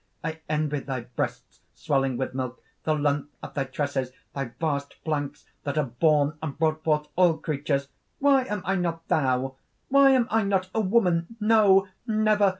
I envy thy breasts, swelling with milk, the length of thy tresses, thy vast flanks that have borne and brought forth all creatures! Why am I not thou? Why am I not a woman? No, never!